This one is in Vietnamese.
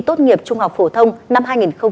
tốt nghiệp trung học phổ thông năm hai nghìn hai mươi